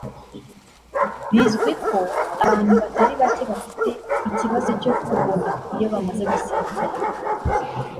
Bizwi ko abantu batari bake bafite ikibazo cyo kugona iyo bamaze gusinzira